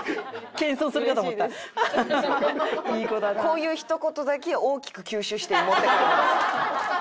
こういうひと言だけ大きく吸収して持って帰るんです。